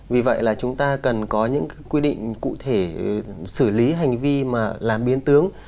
vì vậy là chúng ta cần có những quy định cụ thể xử lý hành vi mà làm biến tướng